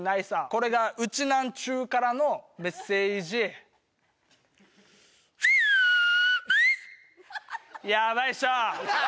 これがウチナーンチュからのメッセージヤバいっしょ